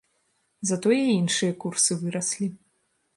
Затое іншыя курсы выраслі.